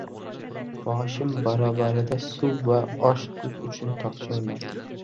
Boshim barobarida suv va osh-tuz uchun tokcha o`rnatdim